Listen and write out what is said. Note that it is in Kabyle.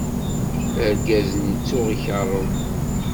Argaz-nni tuɣ ikeṛṛeb.